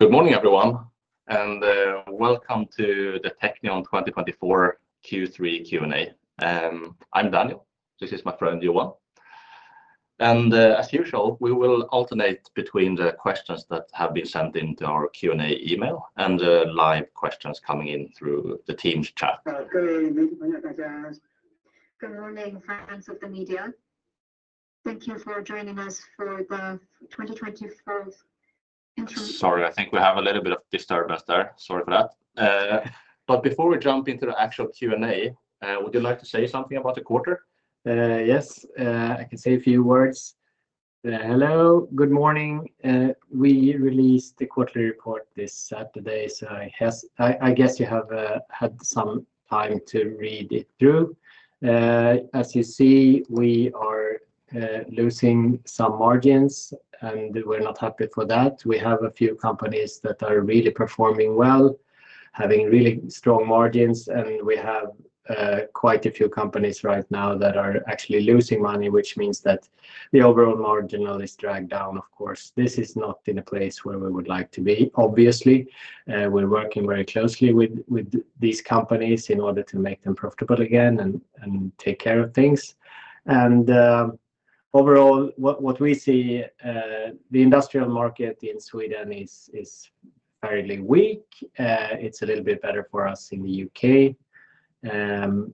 Good morning, everyone, and welcome to the Teqnion 2024 Q3 Q&A. I'm Daniel. This is my friend, Johan, and as usual, we will alternate between the questions that have been sent into our Q&A email and live questions coming in through the Teams chat. Good morning, friends of the media. Thank you for joining us for the 2024 Q3- Sorry, I think we have a little bit of disturbance there. Sorry for that. But before we jump into the actual Q&A, would you like to say something about the quarter? Yes. I can say a few words. Hello, good morning. We released the quarterly report this Saturday, so I guess you have had some time to read it through. As you see, we are losing some margins, and we're not happy for that. We have a few companies that are really performing well, having really strong margins, and we have quite a few companies right now that are actually losing money, which means that the overall margin is dragged down, of course. This is not in a place where we would like to be, obviously. We're working very closely with these companies in order to make them profitable again and take care of things. Overall, what we see, the industrial market in Sweden is fairly weak. It's a little bit better for us in the U.K., and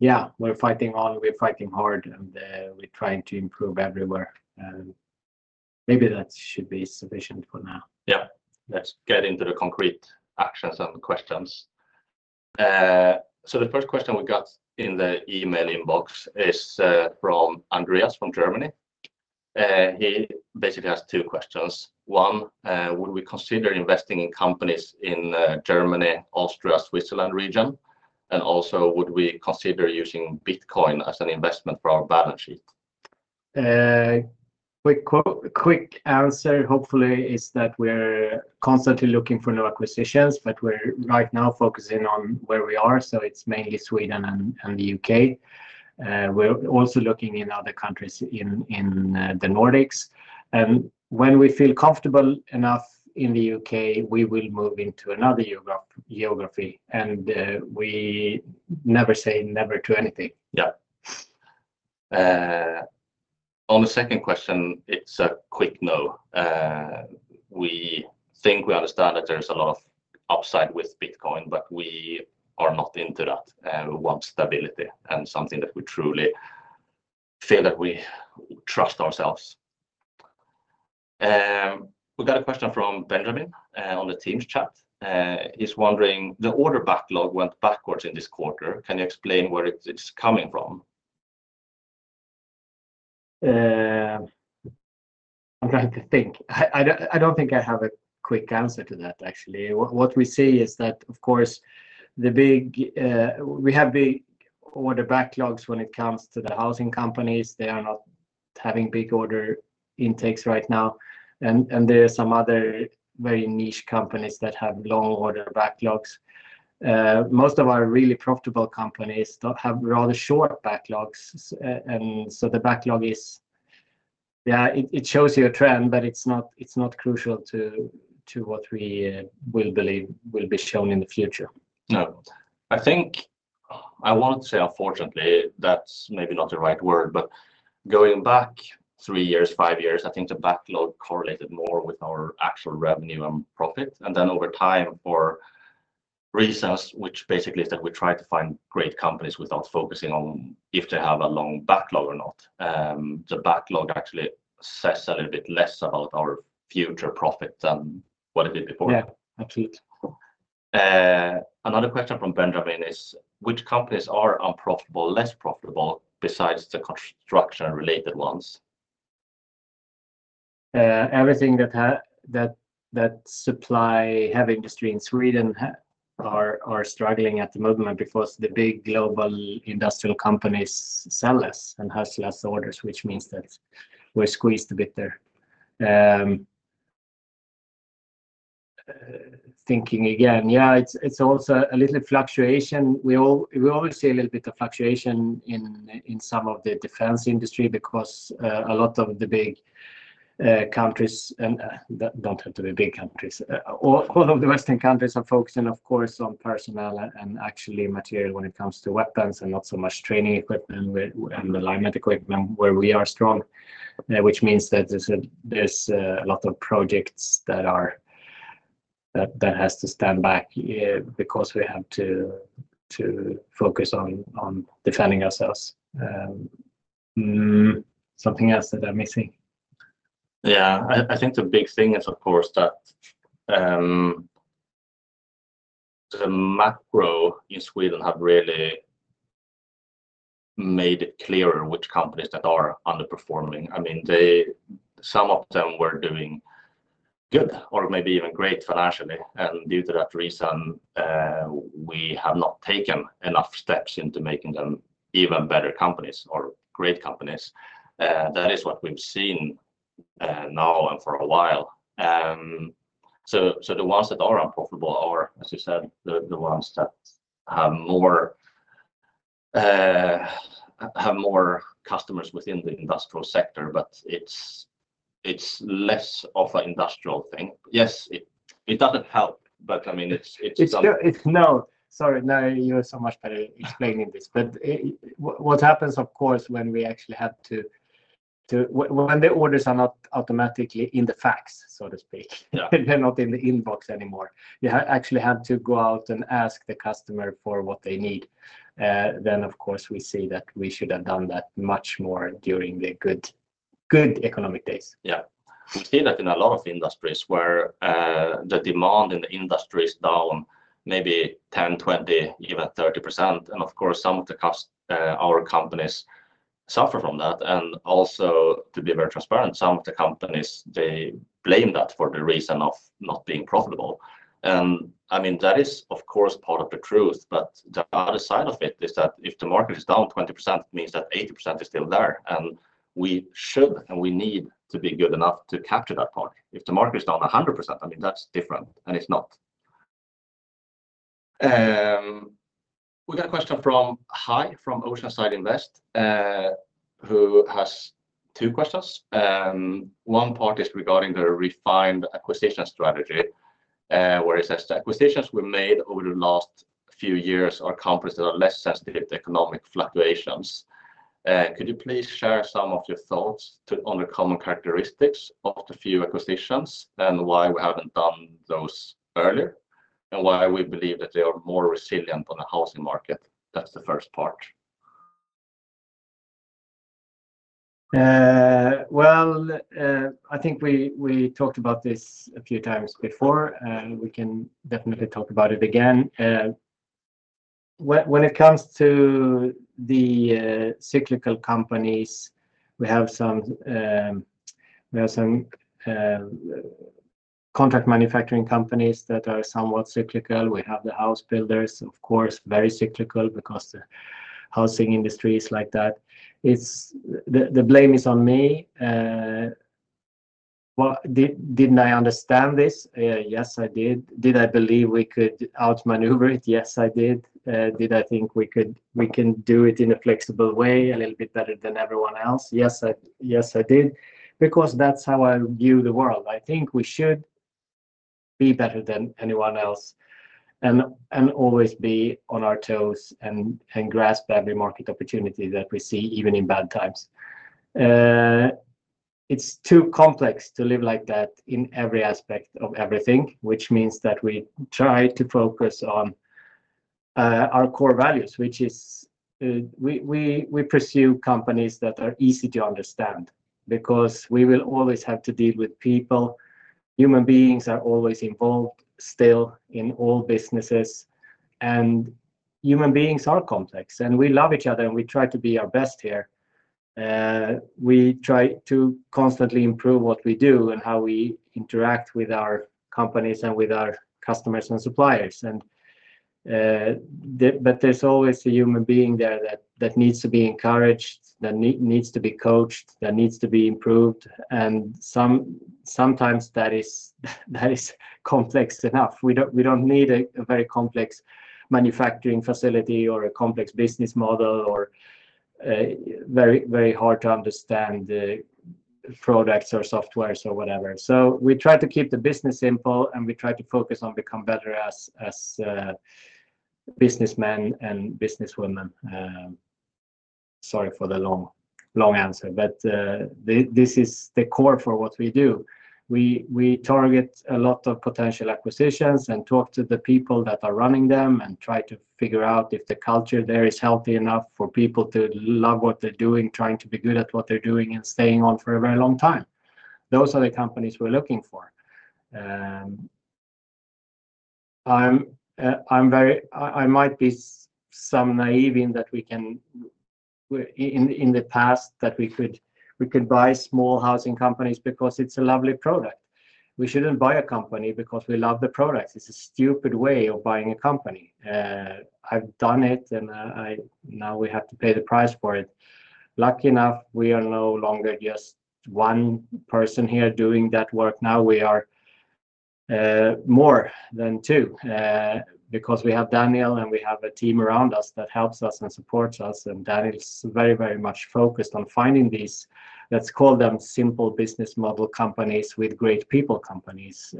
yeah, we're fighting on, we're fighting hard, and we're trying to improve everywhere. Maybe that should be sufficient for now. Yeah. Let's get into the concrete actions and questions. So the first question we got in the email inbox is from Andreas from Germany. He basically asked two questions. One, would we consider investing in companies in Germany, Austria, Switzerland region? And also, would we consider using Bitcoin as an investment for our balance sheet? Quick, quick answer, hopefully, is that we're constantly looking for new acquisitions, but we're right now focusing on where we are, so it's mainly Sweden and the U.K. We're also looking in other countries in the Nordics. When we feel comfortable enough in the U.K., we will move into another geography, and we never say never to anything. Yeah. On the second question, it's a quick no. We think we understand that there's a lot of upside with Bitcoin, but we are not into that. We want stability and something that we truly feel that we trust ourselves. We got a question from Benjamin on the Team's chat. He's wondering, the order backlog went backwards in this quarter. Can you explain where it's coming from? I'm trying to think. I don't think I have a quick answer to that, actually. What we see is that, of course, we have big order backlogs when it comes to the housing companies. They are not having big order intakes right now, and there are some other very niche companies that have long order backlogs. Most of our really profitable companies do have rather short backlogs, and so the backlog is, yeah, it shows you a trend, but it's not crucial to what we will believe will be shown in the future. No. I think, I want to say, unfortunately, that's maybe not the right word, but going back three years, five years, I think the backlog correlated more with our actual revenue and profit, and then over time, for reasons, which basically is that we try to find great companies without focusing on if they have a long backlog or not. The backlog actually says a little bit less about our future profit than what it did before. Yeah, absolutely. Another question from Benjamin is, which companies are unprofitable, less profitable, besides the construction-related ones? Everything that supply heavy industry in Sweden are struggling at the moment because the big global industrial companies sell less and has less orders, which means that we're squeezed a bit there. Thinking again, yeah, it's also a little fluctuation. We always see a little bit of fluctuation in some of the defense industry because a lot of the big countries and don't have to be big countries. All of the Western countries are focusing, of course, on personnel and actually material when it comes to weapons and not so much training equipment and alignment equipment, where we are strong. Which means that there's a lot of projects that has to stand back because we have to focus on defending ourselves. Something else that I'm missing? Yeah. I, I think the big thing is, of course, that, the macro in Sweden have really made it clearer which companies that are underperforming. I mean, they, some of them were doing good or maybe even great financially, and due to that reason, we have not taken enough steps into making them even better companies or great companies. That is what we've seen, now and for a while. So, so the ones that are unprofitable are, as you said, the, the ones that have more customers within the industrial sector, but it's, it's less of an industrial thing. Yes, it, it doesn't help, but I mean, it's, it's- It's... No, sorry. You are so much better explaining this. But what happens, of course, when we actually have to... When the orders are not automatically in the fax, so to speak- Yeah. They're not in the inbox anymore, you actually have to go out and ask the customer for what they need, then, of course, we see that we should have done that much more during the good, good economic days. Yeah. We see that in a lot of industries where the demand in the industry is down maybe 10%, 20%, even 30%. And of course, some of our companies suffer from that. And also, to be very transparent, some of the companies, they blame that for the reason of not being profitable. And, I mean, that is, of course, part of the truth, but the other side of it is that if the market is down 20%, it means that 80% is still there, and we should, and we need to be good enough to capture that part. If the market is down 100%, I mean, that's different, and it's not. We got a question from Hai, from Oceanside Invest, who has two questions. One part is regarding the refined acquisition strategy, where it says, "The acquisitions we made over the last few years are companies that are less sensitive to economic fluctuations. Could you please share some of your thoughts on the common characteristics of the few acquisitions, and why we haven't done those earlier, and why we believe that they are more resilient on the housing market?" That's the first part. Well, I think we talked about this a few times before, and we can definitely talk about it again. When it comes to the cyclical companies, we have some contract manufacturing companies that are somewhat cyclical. We have the house builders, of course, very cyclical because the housing industry is like that. It's the blame is on me. Well, didn't I understand this? Yes, I did. Did I believe we could outmaneuver it? Yes, I did. Did I think we can do it in a flexible way, a little bit better than everyone else? Yes, I did, because that's how I view the world. I think we should be better than anyone else and always be on our toes and grasp every market opportunity that we see, even in bad times. It's too complex to live like that in every aspect of everything, which means that we try to focus on our core values, which is we pursue companies that are easy to understand, because we will always have to deal with people. Human beings are always involved, still, in all businesses, and human beings are complex, and we love each other, and we try to be our best here. We try to constantly improve what we do and how we interact with our companies and with our customers and suppliers and, but there's always a human being there that needs to be encouraged, that needs to be coached, that needs to be improved. And sometimes that is complex enough. We don't need a very complex manufacturing facility or a complex business model, or a very hard to understand products or softwares or whatever. So we try to keep the business simple, and we try to focus on become better as businessmen and businesswomen. Sorry for the long answer, but this is the core for what we do. We target a lot of potential acquisitions and talk to the people that are running them and try to figure out if the culture there is healthy enough for people to love what they're doing, trying to be good at what they're doing, and staying on for a very long time. Those are the companies we're looking for. I'm very... I might be somewhat naive in that, in the past, we could buy small housing companies because it's a lovely product. We shouldn't buy a company because we love the product. It's a stupid way of buying a company. I've done it, and now we have to pay the price for it. Lucky enough, we are no longer just one person here doing that work. Now we are more than two because we have Daniel, and we have a team around us that helps us and supports us. And Daniel is very, very much focused on finding these, let's call them simple business model companies with great people companies.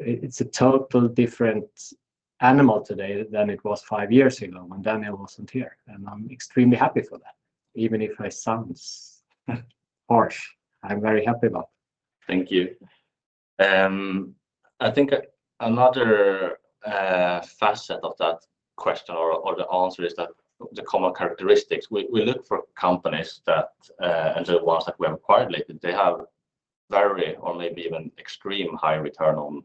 It's a total different animal today than it was five years ago when Daniel wasn't here, and I'm extremely happy for that. Even if I sounds harsh, I'm very happy about it. Thank you. I think another facet of that question or the answer is that the common characteristics we look for companies that and the ones that we have acquired lately they have very or maybe even extreme high return on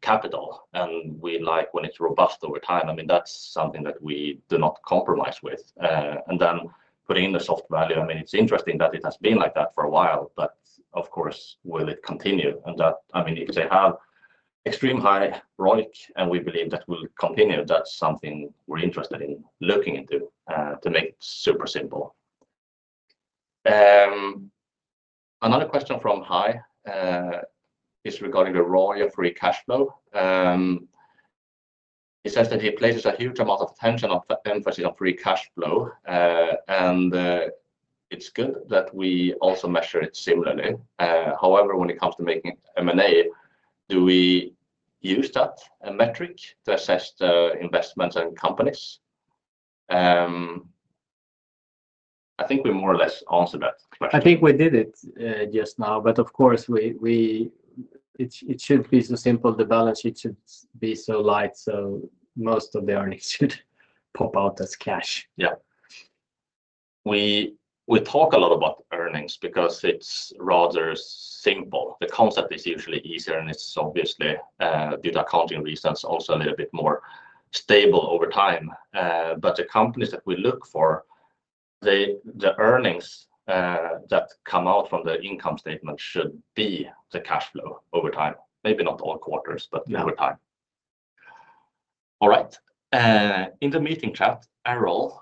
capital, and we like when it's robust over time. I mean, that's something that we do not compromise with. And then putting in the soft value, I mean, it's interesting that it has been like that for a while, but of course, will it continue? And that, I mean, if they have extreme high ROIC, and we believe that will continue, that's something we're interested in looking into, to make it super simple. Another question from Hai is regarding the ROIC free cash flow. He says that he places a huge amount of attention on, emphasis on free cash flow, and it's good that we also measure it similarly. However, when it comes to making M&A, do we use that metric to assess the investments and companies? I think we more or less answered that question. I think we did it just now, but of course, it should be so simple. The balance sheet should be so light, so most of the earnings should pop out as cash. Yeah. We talk a lot about earnings because it's rather simple. The concept is usually easier, and it's obviously due to accounting reasons, also a little bit more stable over time. But the companies that we look for, the earnings that come out from the income statement should be the cash flow over time. Maybe not all quarters, but- Yeah... over time. All right, in the meeting chat, Errol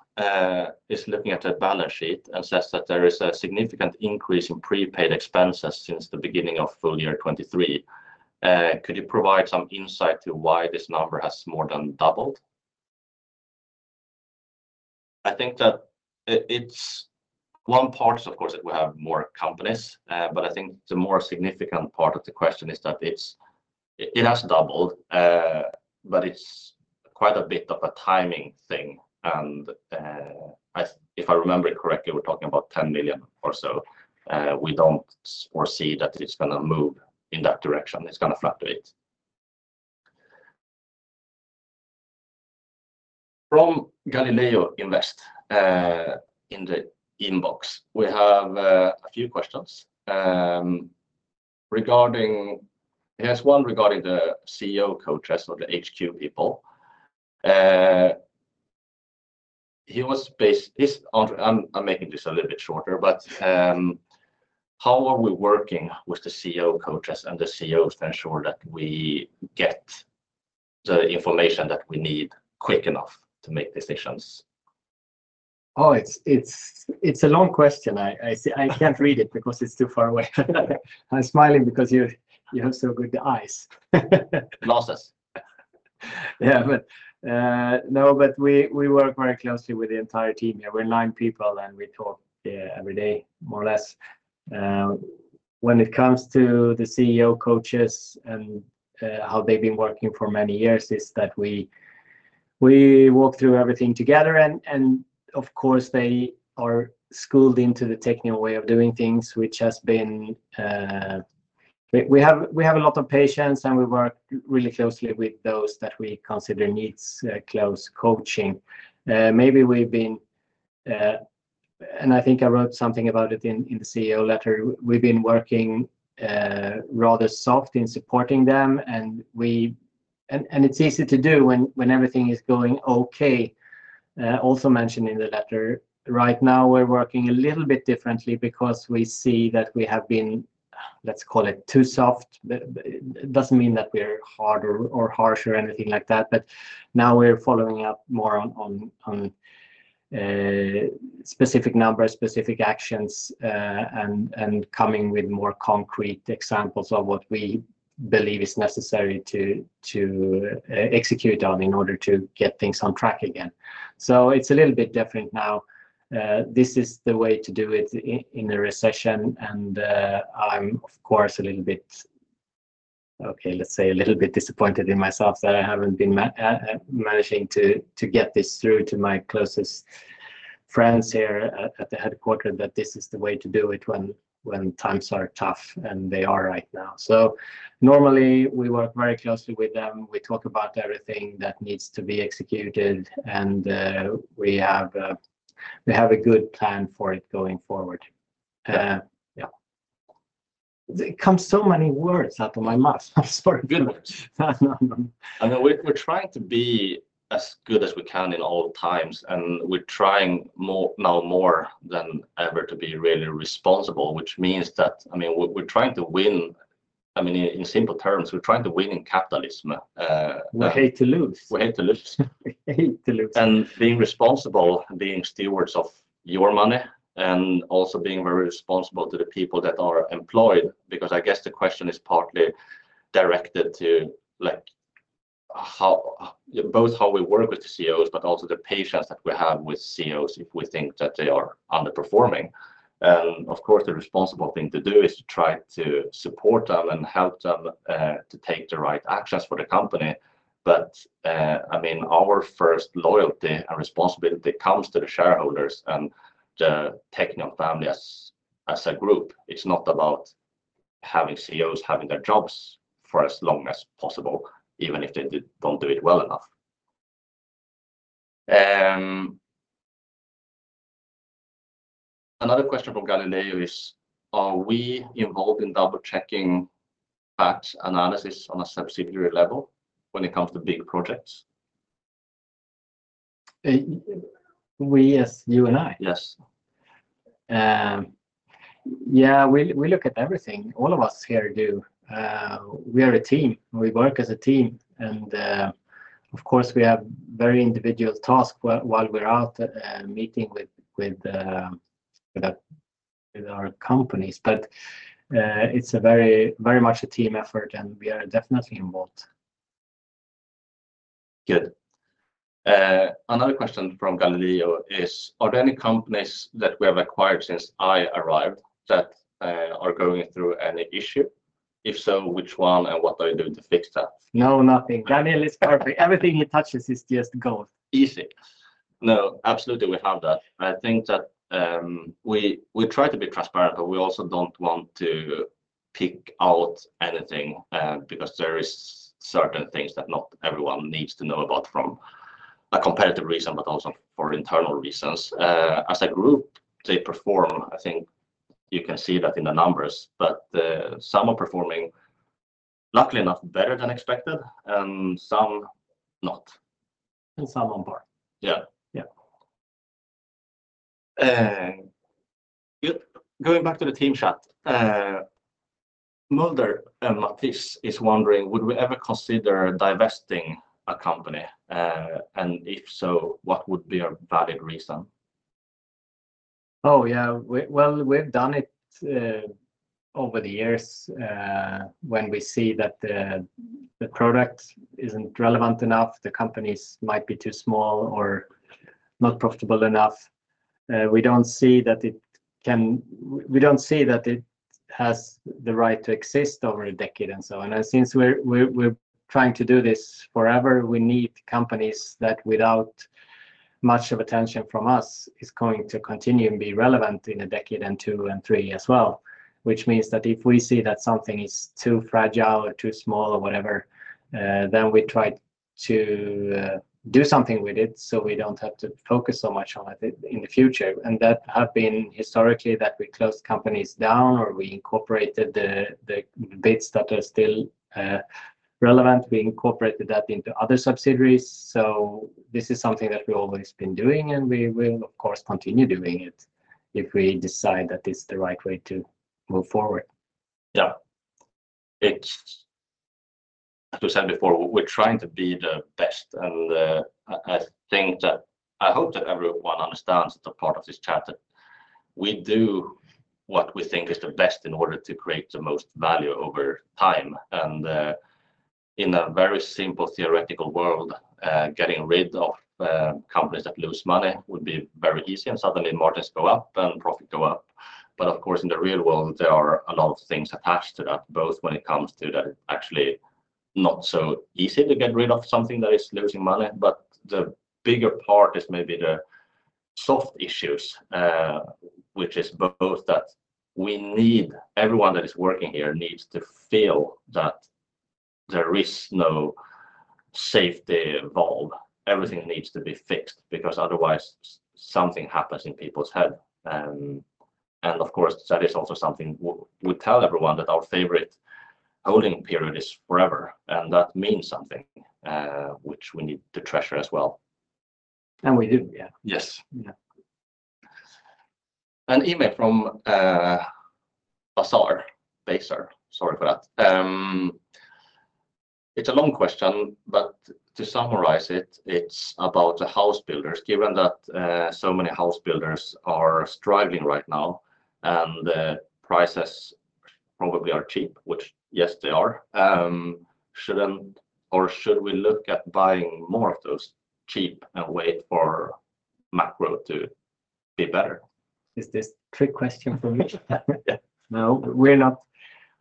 is looking at the balance sheet and says that there is a significant increase in prepaid expenses since the beginning of full year 2023. Could you provide some insight to why this number has more than doubled? I think that it's... One part is, of course, that we have more companies. But I think the more significant part of the question is that it's, it has doubled, but it's quite a bit of a timing thing, and, I, if I remember it correctly, we're talking about 10 million or so. We don't foresee that it's gonna move in that direction. It's gonna fluctuate. From Galileo Invest, in the inbox, we have a few questions, regarding... He has one regarding the CEO coaches or the HQ people. I'm making this a little bit shorter, but how are we working with the CEO coaches and the CEOs to ensure that we get the information that we need quick enough to make decisions? Oh, it's a long question. I see I can't read it because it's too far away. I'm smiling because you have so good eyes. Glasses. Yeah, but no, but we work very closely with the entire team. Yeah, we're nine people, and we talk every day, more or less. When it comes to the CEO coaching and how they've been working for many years, is that we walk through everything together, and of course, they are schooled into the technical way of doing things, which has been. We have a lot of patience, and we work really closely with those that we consider needs close coaching. Maybe we've been, and I think I wrote something about it in the CEO letter. We've been working rather soft in supporting them, and it's easy to do when everything is going okay. Also mentioned in the letter, right now, we're working a little bit differently because we see that we have been, let's call it, too soft. But it doesn't mean that we're harder or harsher or anything like that, but now we're following up more on specific numbers, specific actions, and coming with more concrete examples of what we believe is necessary to execute on in order to get things on track again. So it's a little bit different now. This is the way to do it in a recession, and I'm, of course, a little bit disappointed in myself that I haven't been managing to get this through to my closest friends here at headquarters, that this is the way to do it when times are tough, and they are right now. So normally, we work very closely with them. We talk about everything that needs to be executed, and we have a good plan for it going forward. Yeah. Yeah. It comes so many words out of my mouth. I'm sorry. Good words. No, no. I mean, we're trying to be as good as we can in all times, and we're trying more, now more than ever to be really responsible, which means that, I mean, we're trying to win. I mean, in simple terms, we're trying to win in capitalism. We hate to lose. We hate to lose. We hate to lose. And being responsible, being stewards of your money, and also being very responsible to the people that are employed, because I guess the question is partly directed to, like, how both we work with the CEOs, but also the patience that we have with CEOs if we think that they are underperforming. And of course, the responsible thing to do is to try to support them and help them to take the right actions for the company. But I mean, our first loyalty and responsibility comes to the shareholders and the Teqnion family as a group. It's not about having CEOs having their jobs for as long as possible, even if they don't do it well enough. Another question from Galileo is, are we involved in double-checking fact analysis on a subsidiary level when it comes to big projects? We as you and I? Yes. Yeah, we, we look at everything, all of us here do. We are a team, and we work as a team, and, of course, we have very individual tasks while we're out, meeting with our companies. But, it's a very, very much a team effort, and we are definitely involved. Good. Another question from Galileo is, "Are there any companies that we have acquired since I arrived that are going through any issue? If so, which one, and what are you doing to fix that? No, nothing. Galileo is perfect. Everything he touches is just gold. Easy. No, absolutely we have that, but I think that, we try to be transparent, but we also don't want to pick out anything, because there is certain things that not everyone needs to know about from a competitive reason, but also for internal reasons. As a group, they perform, I think you can see that in the numbers, but, some are performing, luckily enough, better than expected, and some not. Some on par. Yeah. Yeah. Good. Going back to the Teams chat, Mulder and Matthis wondering, "Would we ever consider divesting a company? And if so, what would be a valid reason? Oh, yeah, well, we've done it over the years. When we see that the product isn't relevant enough, the companies might be too small or not profitable enough, we don't see that it can. We don't see that it has the right to exist over a decade and so on, and since we're trying to do this forever, we need companies that without much of attention from us is going to continue and be relevant in a decade, and two, and three as well, which means that if we see that something is too fragile or too small or whatever, then we try to do something with it, so we don't have to focus so much on it in the future. And that have been historically that we closed companies down, or we incorporated the bits that are still relevant, we incorporated that into other subsidiaries. So this is something that we've always been doing, and we will, of course, continue doing it if we decide that it's the right way to move forward. Yeah. It's, as we said before, we're trying to be the best, and I think that... I hope that everyone understands the part of this chat, that we do what we think is the best in order to create the most value over time. And in a very simple theoretical world, getting rid of companies that lose money would be very easy, and suddenly margins go up and profit go up. But of course, in the real world, there are a lot of things attached to that, both when it comes to the actually not so easy to get rid of something that is losing money, but the bigger part is maybe the soft issues, which is both that we need, everyone that is working here needs to feel that there is no safety valve. Everything needs to be fixed, because otherwise, something happens in people's head. And of course, that is also something we tell everyone, that our favorite holding period is forever, and that means something, which we need to treasure as well. We do, yeah. Yes. Yeah. An email from Basar. It's a long question, but to summarize it, it's about the house builders. "Given that so many house builders are struggling right now, and the prices probably are cheap," which, yes, they are, "shouldn't, or should we look at buying more of those cheap and wait for macro to be better? Is this trick question for me? Yeah. No, we're not.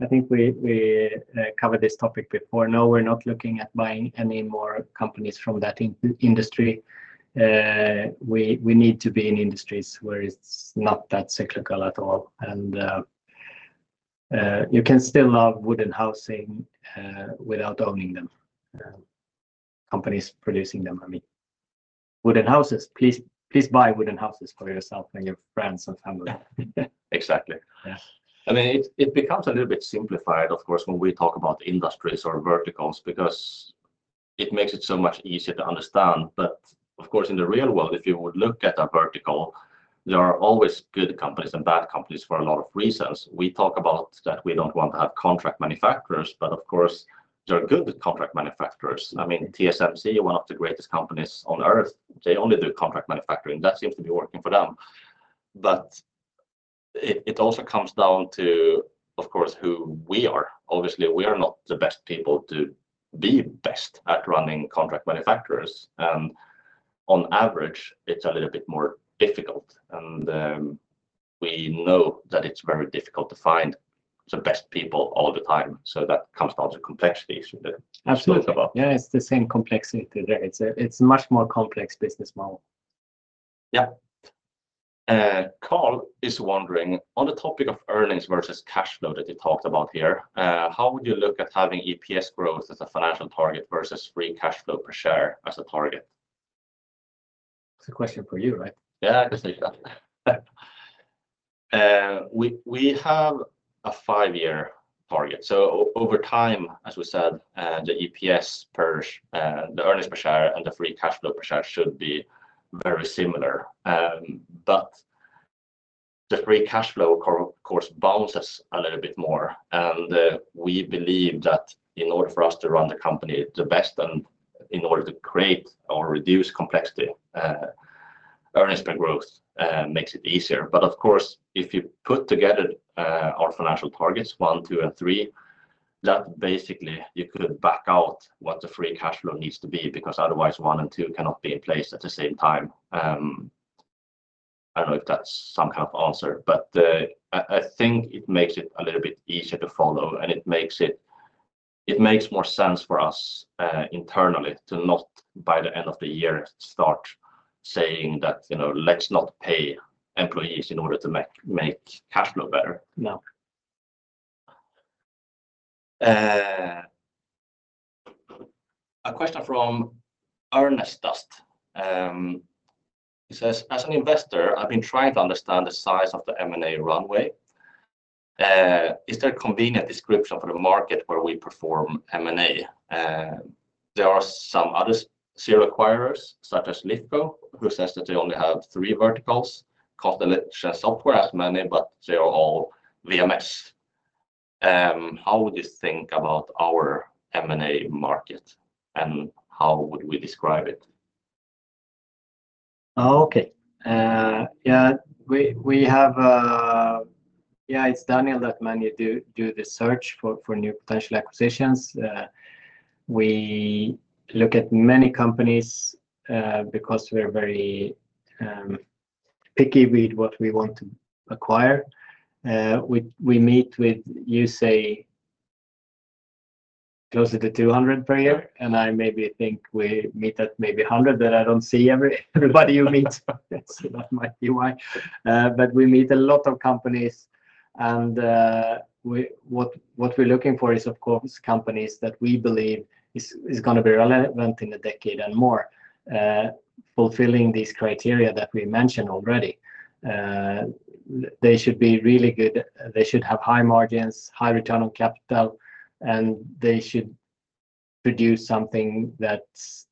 I think we covered this topic before. No, we're not looking at buying any more companies from that industry. We need to be in industries where it's not that cyclical at all. And you can still love wooden housing without owning them companies producing them, I mean. Wooden houses, please, please, buy wooden houses for yourself and your friends and family. Exactly. Yeah. I mean, it becomes a little bit simplified, of course, when we talk about industries or verticals because it makes it so much easier to understand. But of course, in the real world, if you would look at a vertical, there are always good companies and bad companies for a lot of reasons. We talk about that we don't want to have contract manufacturers, but of course, there are good contract manufacturers. I mean, TSMC, one of the greatest companies on earth, they only do contract manufacturing. That seems to be working for them. But it also comes down to, of course, who we are. Obviously, we are not the best people to be best at running contract manufacturers, and on average, it's a little bit more difficult. We know that it's very difficult to find the best people all the time, so that comes down to complexity issue that- Absolutely. We spoke about. Yeah, it's the same complexity there. It's a, it's a much more complex business model. Yeah. Carl is wondering, "On the topic of earnings versus cash flow that you talked about here, how would you look at having EPS growth as a financial target versus free cash flow per share as a target? It's a question for you, right? Yeah, I can say that. We have a five-year target. So over time, as we said, the EPS per the earnings per share and the free cash flow per share should be very similar. But the free cash flow, of course, bounces a little bit more, and we believe that in order for us to run the company the best and in order to create or reduce complexity, earnings per growth makes it easier. But of course, if you put together our financial targets, one, two, and three, that basically you could back out what the free cash flow needs to be, because otherwise one and two cannot be in place at the same time. I don't know if that's some kind of answer, but I think it makes it a little bit easier to follow, and it makes more sense for us internally to not, by the end of the year, start saying that, you know, "Let's not pay employees in order to make cash flow better. Yeah. A question from Earnest Dust. He says, "As an investor, I've been trying to understand the size of the M&A runway. Is there a convenient description for the market where we perform M&A? There are some other serial acquirers, such as Lifco, who says that they only have three verticals. Constellation Software has software as many, but they are all VMS. How would you think about our M&A market, and how would we describe it? Okay. Yeah, we have. Yeah, it's Daniel that mainly do the search for new potential acquisitions. We look at many companies, because we're very picky with what we want to acquire. We meet with, you say, closer to 200 per year? Yeah. I maybe think we meet at maybe 100, that I don't see everybody you meet. That might be why. But we meet a lot of companies, and what we're looking for is, of course, companies that we believe is gonna be relevant in a decade and more, fulfilling these criteria that we mentioned already. They should be really good. They should have high margins, high return on capital, and they should produce something that's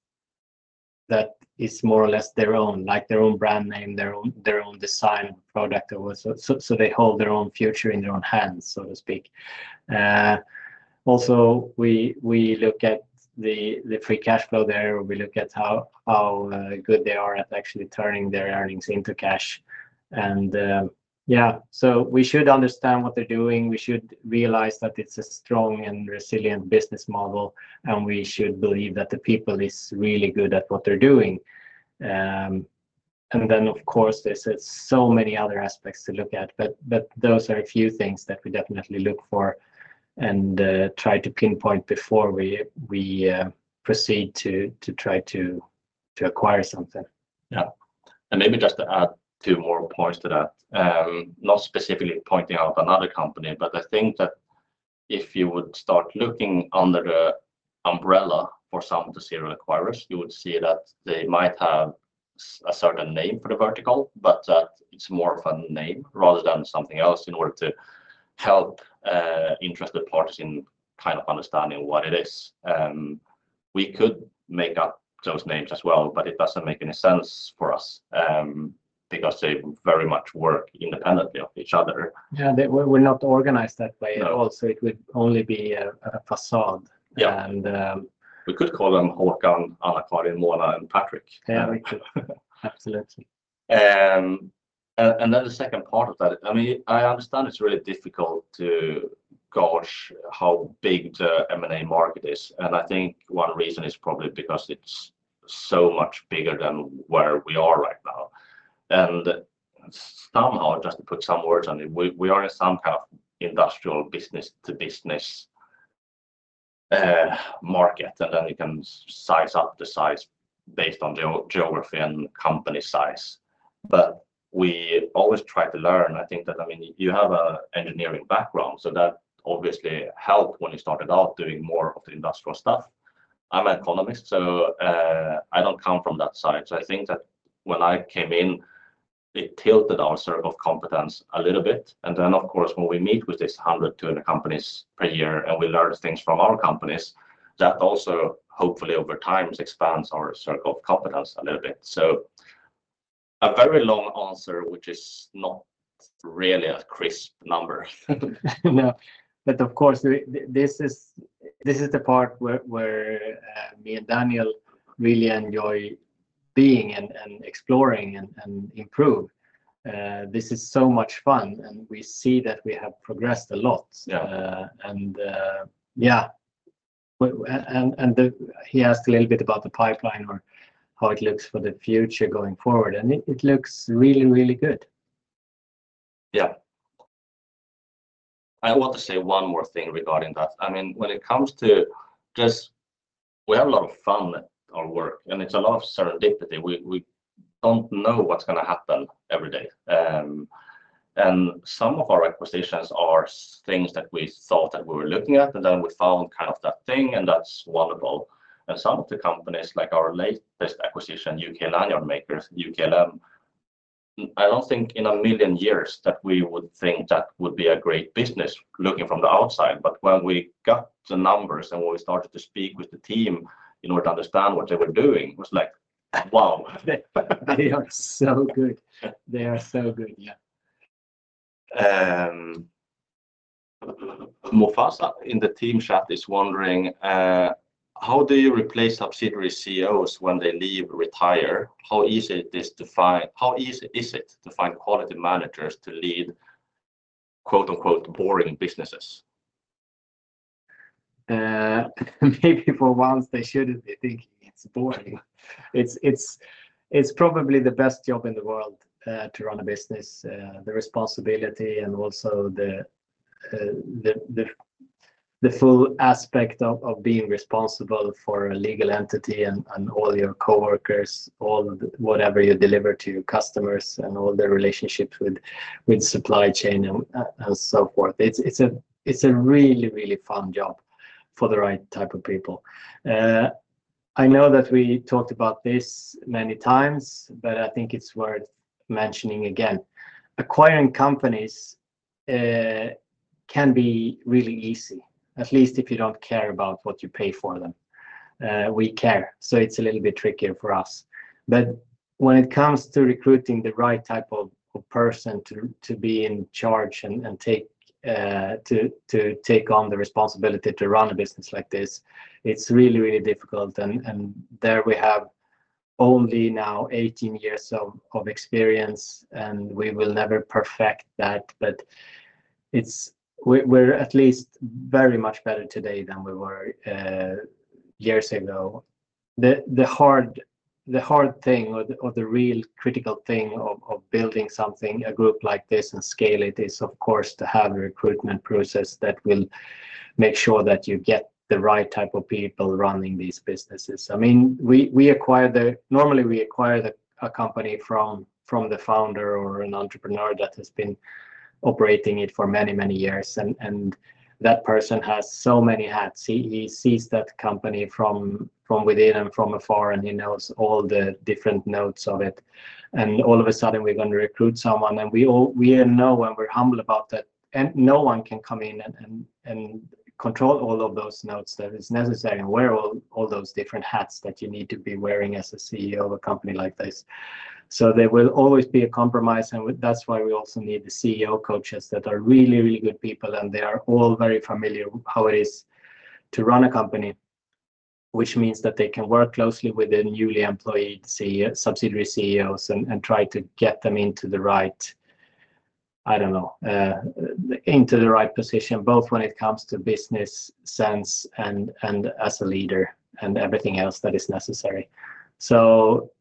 more or less their own, like their own brand name, their own design product or so, so they hold their own future in their own hands, so to speak. Also, we look at the free cash flow there. We look at how good they are at actually turning their earnings into cash. And, yeah, so we should understand what they're doing. We should realize that it's a strong and resilient business model, and we should believe that the people is really good at what they're doing. And then of course, there's so many other aspects to look at, but those are a few things that we definitely look for and try to pinpoint before we proceed to try to acquire something. Yeah. And maybe just to add two more points to that, not specifically pointing out another company, but I think that if you would start looking under the umbrella for some of the serial acquirers, you would see that they might have a certain name for the vertical, but that it's more of a name rather than something else, in order to help interested parties in kind of understanding what it is. We could make up those names as well, but it doesn't make any sense for us, because they very much work independently of each other. Yeah, we're not organized that way. No. And also, it would only be a facade. Yeah. And, um- We could call them Håkan, Anna-Karin, Mona, and Patrick. Yeah, we could. Absolutely. The second part of that, I mean, I understand it's really difficult to gauge how big the M&A market is, and I think one reason is probably because it's so much bigger than where we are right now. Somehow, just to put some words on it, we are in some kind of industrial business-to-business market, and then you can size up the size based on the geography and company size. We always try to learn. I think that, I mean, you have an engineering background, so that obviously helped when you started out doing more of the industrial stuff. I'm an economist, so I don't come from that side. I think that when I came in, it tilted our circle of competence a little bit. And then, of course, when we meet with these 100, 200 companies per year and we learn things from other companies, that also, hopefully over time, expands our circle of competence a little bit. So a very long answer, which is not really a crisp number. No, but of course, this is the part where me and Daniel really enjoy being and exploring and improve. This is so much fun, and we see that we have progressed a lot. Yeah. Yeah. He asked a little bit about the pipeline or how it looks for the future going forward, and it looks really, really good. Yeah. I want to say one more thing regarding that. I mean, when it comes to just... We have a lot of fun at our work, and it's a lot of serendipity. We, we don't know what's gonna happen every day. And some of our acquisitions are some things that we thought that we were looking at, and then we found kind of that thing, and that's wonderful. Some of the companies, like our latest acquisition, UK Lanyard Makers... I don't think in a million years that we would think that would be a great business, looking from the outside. But when we got the numbers and when we started to speak with the team in order to understand what they were doing, it was like, wow. They, they are so good. They are so good, yeah. Mufasa in the Teams chat is wondering, how do you replace subsidiary CEOs when they leave, retire? How easy is it to find quality managers to lead, quote, unquote, "boring businesses? Maybe for once they shouldn't be thinking it's boring. It's probably the best job in the world to run a business. The responsibility and also the full aspect of being responsible for a legal entity and all your coworkers, all the whatever you deliver to your customers, and all the relationships with supply chain and so forth. It's a really fun job for the right type of people. I know that we talked about this many times, but I think it's worth mentioning again. Acquiring companies can be really easy, at least if you don't care about what you pay for them. We care, so it's a little bit trickier for us. But when it comes to recruiting the right type of person to be in charge and take on the responsibility to run a business like this, it's really, really difficult, and there we have only now 18 years of experience, and we will never perfect that. But it's... We're at least very much better today than we were years ago. The hard thing or the real critical thing of building something, a group like this and scale it, is of course to have a recruitment process that will make sure that you get the right type of people running these businesses. I mean, we acquire the... Normally, we acquire a company from the founder or an entrepreneur that has been operating it for many, many years, and that person has so many hats. He sees that company from within and from afar, and he knows all the different notes of it. All of a sudden, we're going to recruit someone, and we all know and we're humble about that, and no one can come in and control all of those notes that is necessary and wear all those different hats that you need to be wearing as a CEO of a company like this. So there will always be a compromise, and that's why we also need the CEO coaches that are really, really good people, and they are all very familiar with how it is to run a company, which means that they can work closely with the newly employed CEO, subsidiary CEOs, and try to get them into the right, I don't know, into the right position, both when it comes to business sense and as a leader and everything else that is necessary. So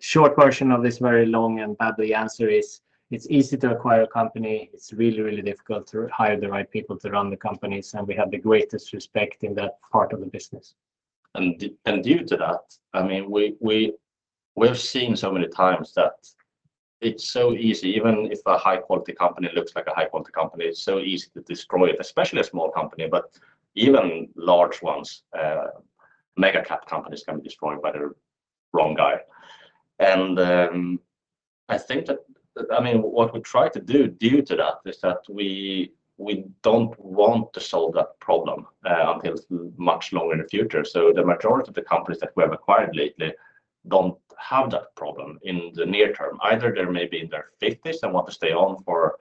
short version of this very long and badly answer is, it's easy to acquire a company. It's really, really difficult to hire the right people to run the companies, and we have the greatest respect in that part of the business. Due to that, I mean, we've seen so many times that it's so easy, even if a high-quality company looks like a high-quality company, it's so easy to destroy it, especially a small company, but even large ones, mega cap companies can be destroyed by the wrong guy. I think that, I mean, what we try to do due to that is that we don't want to solve that problem until much longer in the future. So the majority of the companies that we have acquired lately don't have that problem in the near term. Either they're maybe in their fifties and want to stay on for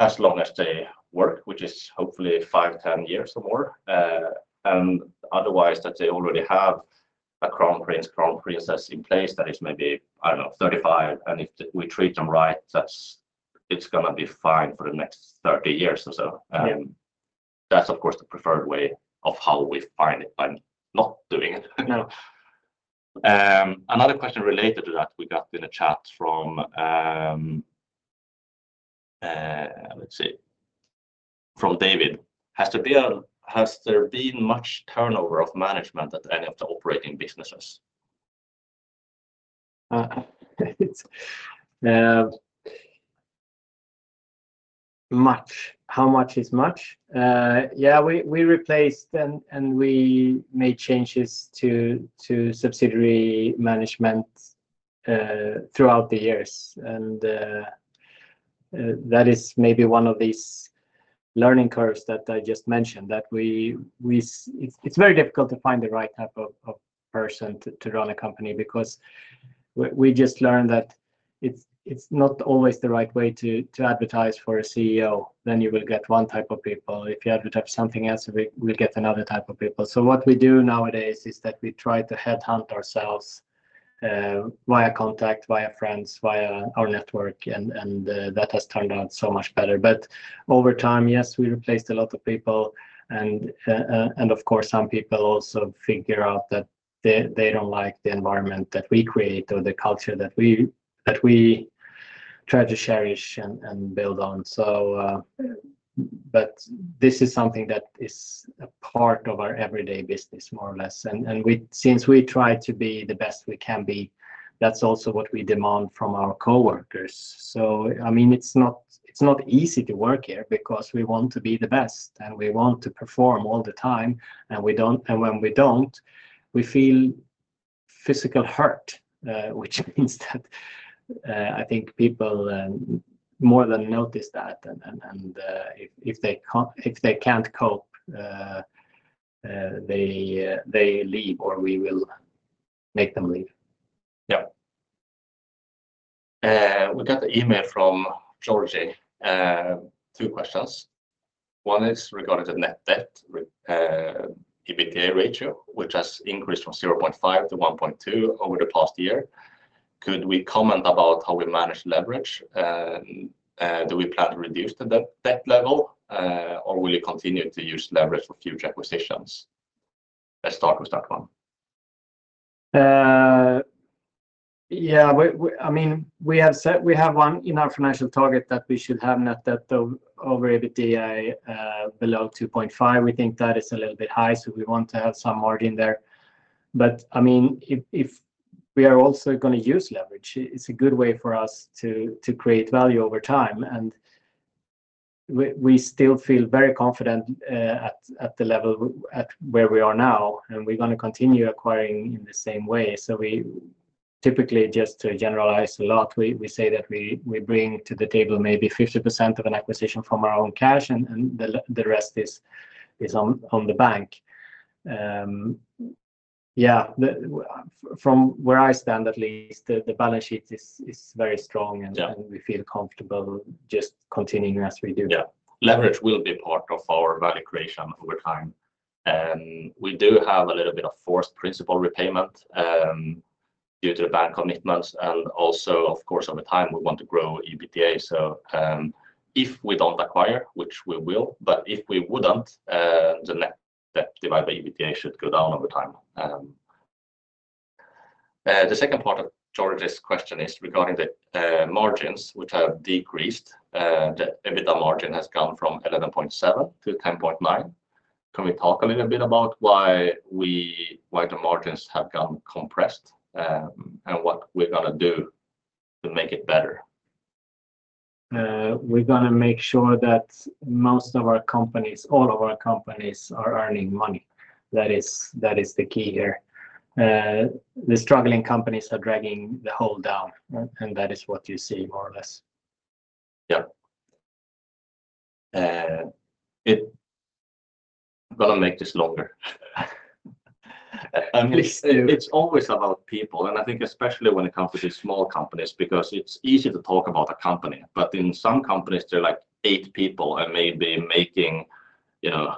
as long as they work, which is hopefully five, ten years or more, and otherwise, that they already have a crown prince, crown princess in place that is maybe, I don't know, thirty-five, and if we treat them right, that's, it's gonna be fine for the next thirty years or so. Yeah. That's of course, the preferred way of how we find it by not doing it. No. Another question related to that we got in a chat from, let's see, from David. "Has there been much turnover of management at any of the operating businesses? Much. How much is much? Yeah, we replaced and we made changes to subsidiary management throughout the years, and that is maybe one of these learning curves that I just mentioned, that it's very difficult to find the right type of person to run a company because we just learned that it's not always the right way to advertise for a CEO, then you will get one type of people. If you advertise something else, we'll get another type of people. So what we do nowadays is that we try to headhunt ourselves via contact, via friends, via our network, and that has turned out so much better. But over time, yes, we replaced a lot of people, and of course, some people also figure out that they, they don't like the environment that we create or the culture that we, that we try to cherish and, and build on. So, but this is something that is a part of our everyday business, more or less, and since we try to be the best we can be, that's also what we demand from our coworkers. So, I mean, it's not, it's not easy to work here because we want to be the best, and we want to perform all the time, and we don't... and when we don't, we feel... Physical hurt, which means that, I think people more than notice that, and if they can't, they leave or we will make them leave. Yeah. We got an email from Georgie. Two questions. One is regarding the Net Debt to EBITDA ratio, which has increased from 0.5 to 1.2 over the past year. Could we comment about how we manage leverage? And do we plan to reduce the debt, debt level, or will you continue to use leverage for future acquisitions? Let's start with that one. Yeah, we, I mean, we have said we have one in our financial target that we should have net debt over EBITDA below 2.5. We think that is a little bit high, so we want to have some margin there. But, I mean, if we are also gonna use leverage, it's a good way for us to create value over time, and we still feel very confident at the level where we are now, and we're gonna continue acquiring in the same way. So we typically, just to generalize a lot, we say that we bring to the table maybe 50% of an acquisition from our own cash, and the rest is on the bank. Yeah, from where I stand, at least, the balance sheet is very strong. Yeah... and we feel comfortable just continuing as we do. Yeah. Leverage will be part of our value creation over time. We do have a little bit of forced principal repayment, due to the bank commitments, and also, of course, over time, we want to grow EBITDA, so, if we don't acquire, which we will, but if we wouldn't, the net debt divided by EBITDA should go down over time. The second part of Georgie's question is regarding the, margins which have decreased. The EBITDA margin has gone from 11.7% to 10.9%. Can we talk a little bit about why the margins have gone compressed, and what we're gonna do to make it better? We're gonna make sure that most of our companies, all of our companies, are earning money. That is, that is the key here. The struggling companies are dragging the whole down, and, and that is what you see, more or less. Yeah. Gonna make this longer. Please do. I mean, it's always about people, and I think especially when it comes to these small companies, because it's easy to talk about a company, but in some companies, there are, like, eight people and maybe making, you know,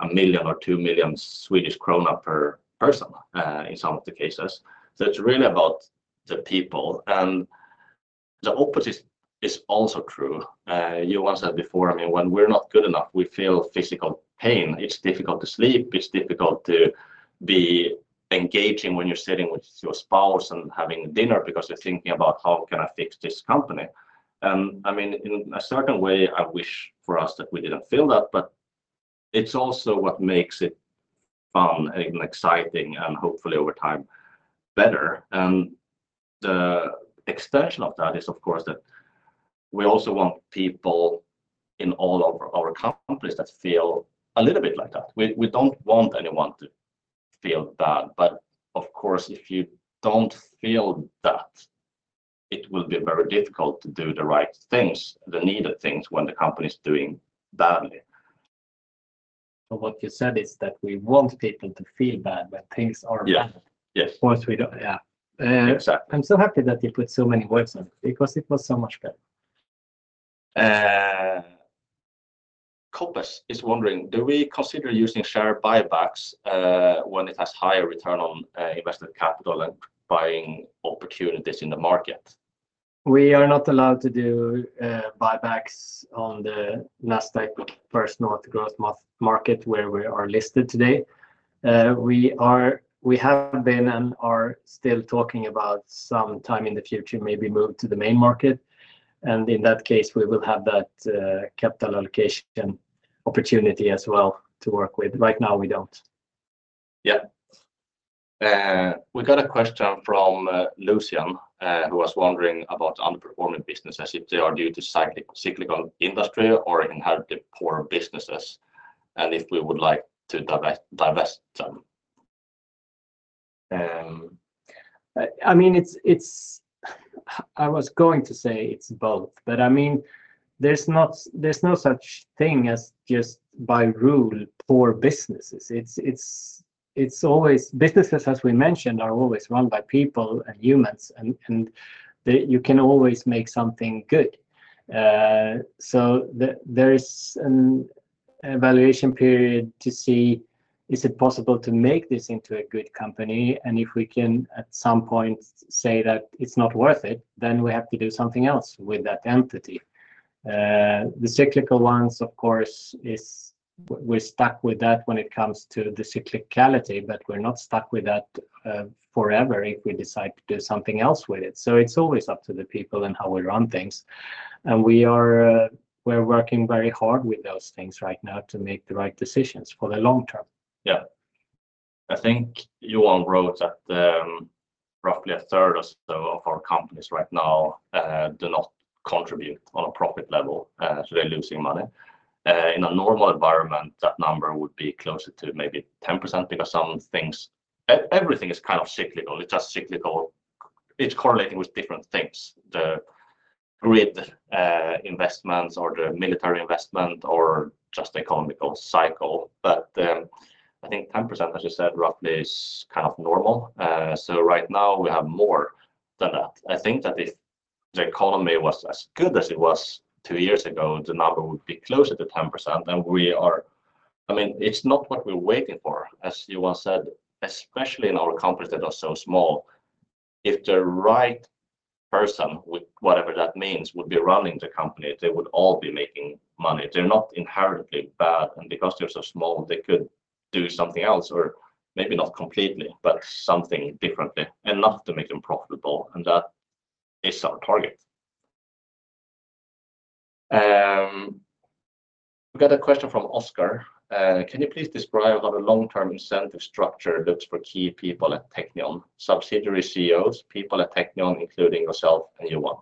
1 million or 2 million Swedish krona per person, in some of the cases. So it's really about the people, and the opposite is also true. You once said before, I mean, when we're not good enough, we feel physical pain. It's difficult to sleep. It's difficult to be engaging when you're sitting with your spouse and having dinner because you're thinking about, "How can I fix this company?" And, I mean, in a certain way, I wish for us that we didn't feel that, but it's also what makes it fun and exciting and hopefully, over time, better. And the extension of that is, of course, that we also want people in all of our companies that feel a little bit like that. We, we don't want anyone to feel bad, but of course, if you don't feel that, it will be very difficult to do the right things, the needed things, when the company's doing badly. What you said is that we want people to feel bad when things are bad? Yeah. Yes. Of course, we don't... Yeah. Exactly. I'm so happy that you put so many words on it because it was so much better. Coppice is wondering, do we consider using share buybacks when it has higher return on invested capital and buying opportunities in the market? We are not allowed to do buybacks on the Nasdaq First North Growth Market, where we are listed today. We are, we have been and are still talking about some time in the future, maybe move to the main market, and in that case, we will have that capital allocation opportunity as well to work with. Right now, we don't. Yeah. We got a question from Lucian, who was wondering about underperforming businesses, if they are due to cyclical industry or inherently poor businesses, and if we would like to divest them. I mean, it's both, but I mean, there's not, there's no such thing as just by rule, poor businesses. It's always, businesses, as we mentioned, are always run by people and humans, and they, you can always make something good. So there is an evaluation period to see, is it possible to make this into a good company? And if we can, at some point, say that it's not worth it, then we have to do something else with that entity. The cyclical ones, of course, is we're stuck with that when it comes to the cyclicality, but we're not stuck with that forever if we decide to do something else with it. So, it's always up to the people and how we run things, and we are, we're working very hard with those things right now to make the right decisions for the long term. Yeah. I think Johan wrote that roughly a third or so of our companies right now do not contribute on a profit level, so they're losing money. In a normal environment, that number would be closer to maybe 10%, because everything is kind of cyclical. It's just cyclical, it's correlating with different things. The grid investments or the military investment, or just economic cycle. But I think 10%, as you said, roughly is kind of normal. So right now we have more than that. I think that if the economy was as good as it was two years ago, the number would be closer to 10%, and I mean, it's not what we're waiting for, as Johan said, especially in our companies that are so small. If the right person, with whatever that means, would be running the company, they would all be making money. They're not inherently bad, and because they're so small, they could do something else, or maybe not completely, but something differently. Enough to make them profitable, and that is our target. We got a question from Oscar. "Can you please describe how the long-term incentive structure looks for key people at Teqnion, subsidiary CEOs, people at Teqnion, including yourself and Johan?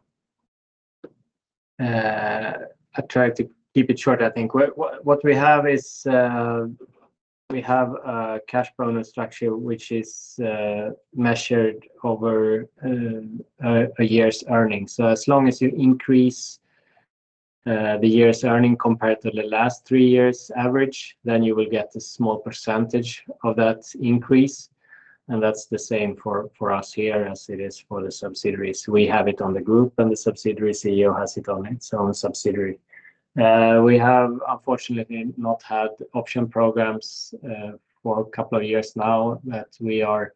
I'll try to keep it short, I think. What we have is, we have a cash bonus structure which is measured over a year's earnings. So as long as you increase the year's earning compared to the last three years' average, then you will get a small percentage of that increase, and that's the same for us here as it is for the subsidiaries. We have it on the group, and the subsidiary CEO has it on its own subsidiary. We have unfortunately not had option programs for a couple of years now, but we are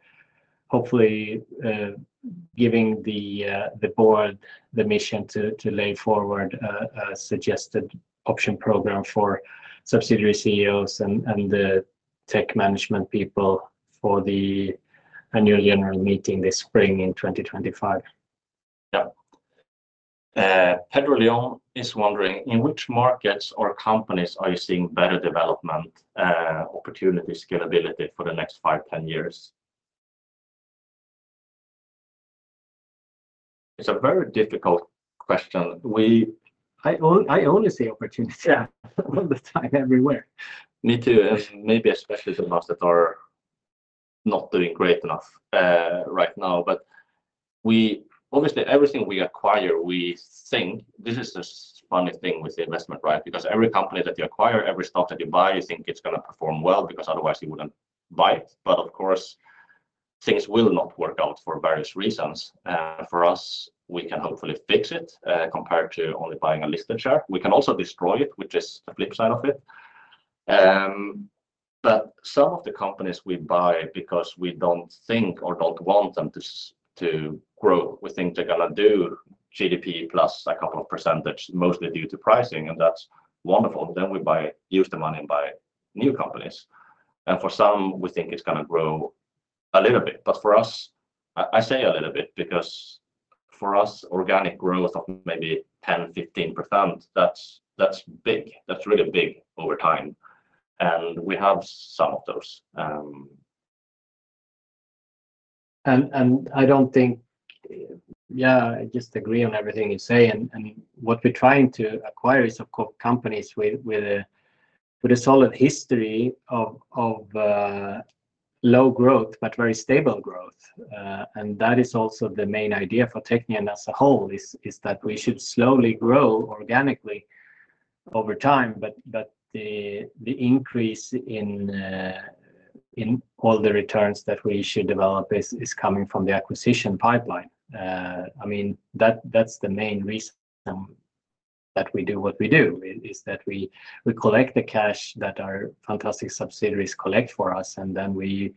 hopefully giving the board the mission to put forward a suggested option program for subsidiary CEOs and the top management people for the annual general meeting this spring in 2025. Yeah. Pedro Leon is wondering, "In which markets or companies are you seeing better development, opportunity scalability for the next five, ten years?" It's a very difficult question. We- I only see opportunity all the time, everywhere. Me too, and maybe especially the ones that are not doing great enough, right now. But obviously, everything we acquire, we think... This is the funny thing with the investment, right? Because every company that you acquire, every stock that you buy, you think it's gonna perform well, because otherwise you wouldn't buy it. But of course, things will not work out for various reasons. For us, we can hopefully fix it, compared to only buying a listed share. We can also destroy it, which is the flip side of it. But some of the companies we buy because we don't think or don't want them to grow, we think they're gonna do GDP plus a couple of percentage, mostly due to pricing, and that's wonderful. Then we buy, use the money and buy new companies. And for some, we think it's gonna grow a little bit. But for us, I say a little bit, because for us, organic growth of maybe 10%-15%, that's big. That's really big over time. And we have some of those. I don't think... Yeah, I just agree on everything you say, and what we're trying to acquire is companies with a solid history of low growth, but very stable growth. And that is also the main idea for Teqnion as a whole, that we should slowly grow organically over time, but the increase in all the returns that we should develop is coming from the acquisition pipeline. I mean, that's the main reason that we do what we do, that we collect the cash that our fantastic subsidiaries collect for us, and then we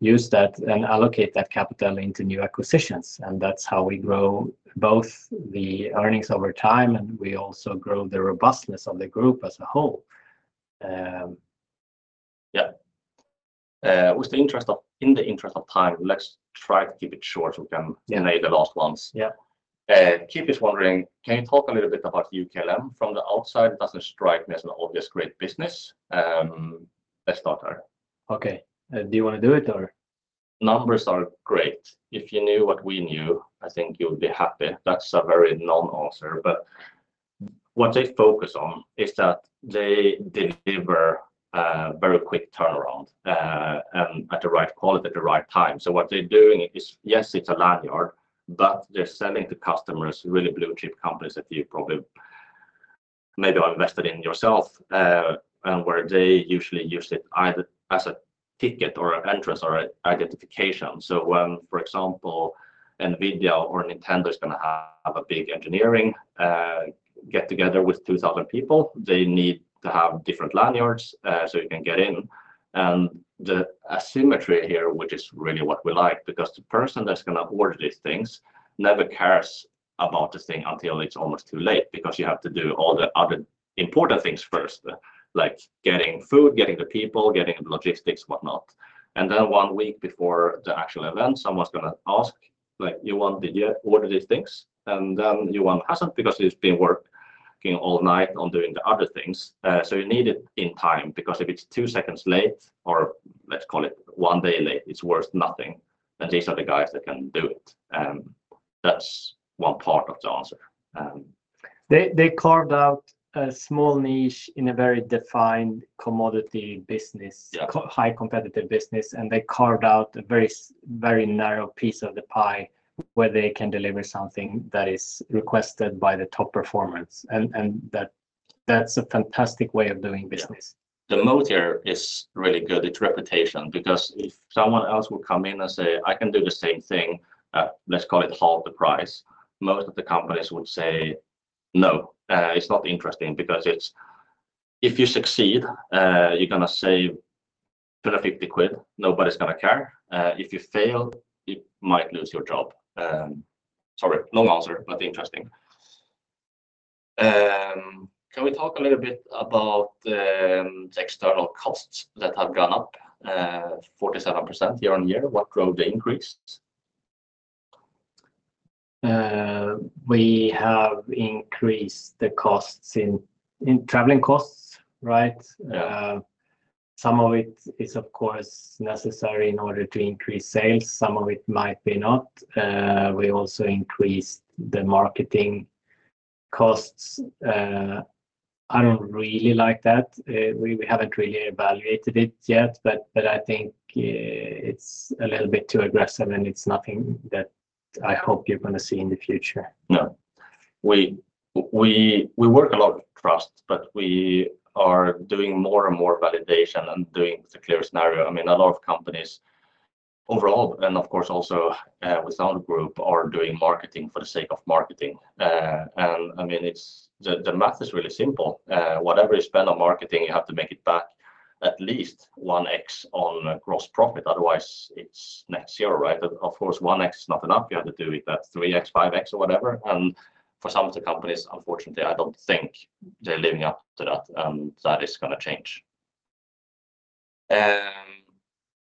use that and allocate that capital into new acquisitions. And that's how we grow both the earnings over time, and we also grow the robustness of the group as a whole. Yeah. In the interest of time, let's try to keep it short, so we can- Yeah... make the last ones. Yeah. Keith is wondering, "Can you talk a little bit about UKLM? From the outside, it doesn't strike me as an obvious great business." Let's start there. Okay. Do you wanna do it, or...? Numbers are great. If you knew what we knew, I think you would be happy. That's a very non-answer, but what they focus on is that they deliver a very quick turnaround, and at the right quality, at the right time. So what they're doing is, yes, it's a lanyard, but they're selling to customers, really blue chip companies that you probably maybe have invested in yourself, and where they usually use it either as a ticket or an entrance or an identification. So when, for example, NVIDIA or Nintendo is gonna have a big engineering, get-together with two thousand people, they need to have different lanyards, so you can get in. And the asymmetry here, which is really what we like, because the person that's gonna order these things never cares about the thing until it's almost too late. Because you have to do all the other important things first, like getting food, getting the people, getting the logistics, whatnot. And then one week before the actual event, someone's gonna ask, like, "You want to order these things?" And then Johan hasn't, because he's been working all night on doing the other things. So you need it in time, because if it's two seconds late, or let's call it one day late, it's worth nothing, and these are the guys that can do it. That's one part of the answer. They carved out a small niche in a very defined commodity business. Yeah ...highly competitive business, and they carved out a very narrow piece of the pie, where they can deliver something that is requested by the top performance, and that, that's a fantastic way of doing business. Yeah. The moat here is really good, it's reputation, because if someone else would come in and say, "I can do the same thing," let's call it half the price, most of the companies would say, "No, it's not interesting," because it's... If you succeed, you're gonna save GBP 250, nobody's gonna care. If you fail, you might lose your job. Sorry, long answer, but interesting. Can we talk a little bit about, the external costs that have gone up, 47% year-on-year? What drove the increase? We have increased the costs in traveling costs, right? Yeah. Some of it is, of course, necessary in order to increase sales. Some of it might be not. We also increased the marketing costs. I don't really like that. We haven't really evaluated it yet, but I think it's a little bit too aggressive, and it's nothing that I hope you're gonna see in the future. No. We work a lot with trust, but we are doing more and more validation and doing the clear scenario. I mean, a lot of companies overall, and of course also, with our group, are doing marketing for the sake of marketing. And I mean, it's. The math is really simple. Whatever you spend on marketing, you have to make it back at least 1X on gross profit, otherwise it's net zero, right? But of course, 1X is not enough, you have to do it at 3X, 5X, or whatever. And for some of the companies, unfortunately, I don't think they're living up to that, and that is gonna change.